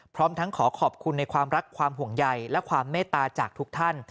พร้อมทั้งขอขอบคุณในความรักความห่วงใยและความเมตตาจากทุกท่าน